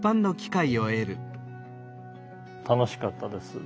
楽しかったです。